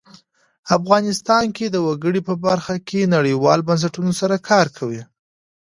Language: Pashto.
افغانستان د وګړي په برخه کې نړیوالو بنسټونو سره کار کوي.